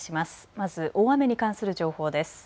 まず大雨に関する情報です。